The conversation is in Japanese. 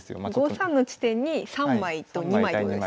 ５三の地点に３枚と２枚ってことですよね。